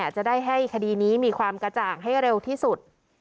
จะได้ให้คดีนี้มีความกระจ่างให้เร็วที่สุด